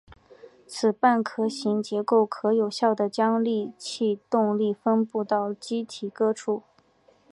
此半壳型结构可有效的将气动力分布到机体各处。